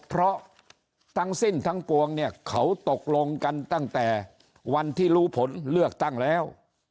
เพราะทั้งสิ้นทั้งปวงเนี่ยเขาตกลงกันตั้งแต่วันที่รู้ผลเลือกตั้งแล้ว